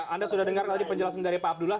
anda sudah dengar tadi penjelasan dari pak abdullah